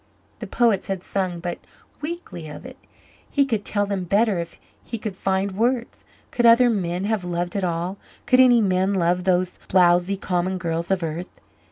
The poets had sung but weakly of it. He could tell them better if he could find words. Could other men have loved at all could any man love those blowzy, common girls of earth?